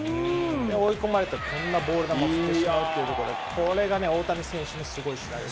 追い込まれたら、こんなボール球も振ってしまうということで、これがね、大谷選手のすごいスライダー。